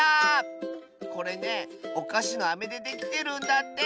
これねおかしのアメでできてるんだって！